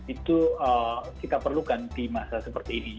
itu kita perlukan di masa seperti ini